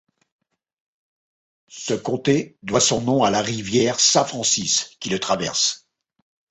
Ce comté doit son nom à la rivière Saint-Francis qui le traverse.